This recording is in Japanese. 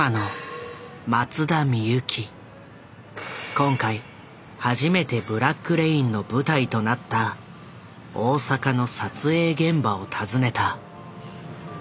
今回初めて「ブラック・レイン」の舞台となった大阪の撮影現場を訪ねた。